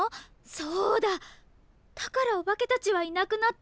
そうだだからお化けたちはいなくなって。